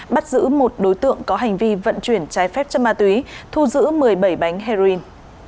bắt giữ một đối tượng có hành vi vận chuyển trái phép chất ma túy thu giữ một mươi bảy bánh heroin